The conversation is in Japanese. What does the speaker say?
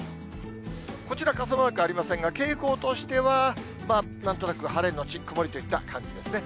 こちら傘マークありませんが、傾向としては、なんとなく晴れ後曇りといった感じですね。